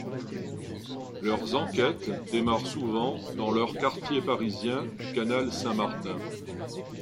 Leurs enquêtes démarrent souvent dans leur quartier parisien du canal Saint-Martin.